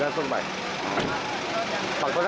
gajal struk pak